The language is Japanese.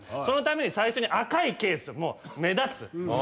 そのために最初に赤いケースもう目立つ。